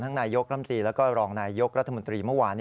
นายยกรัมตรีแล้วก็รองนายยกรัฐมนตรีเมื่อวาน